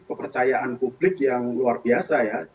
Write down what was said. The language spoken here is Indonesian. kepercayaan publik yang luar biasa ya